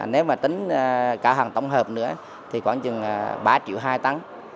nếu tính cả hàng tổng hợp nữa khoảng ba triệu hai tắng